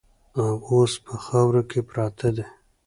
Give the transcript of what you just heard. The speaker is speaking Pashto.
او اوس په خاورو کې پراته دي.